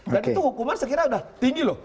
dan itu hukuman sekiranya udah tinggi loh